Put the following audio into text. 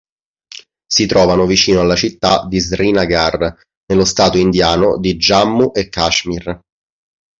Si trovano vicino alla città di Srinagar, nello stato indiano di Jammu e Kashmir.